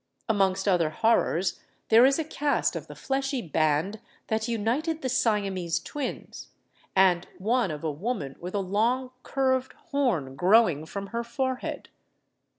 Amongst other horrors, there is a cast of the fleshy band that united the Siamese twins, and one of a woman with a long curved horn growing from her forehead.